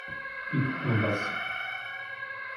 Wie tut man das?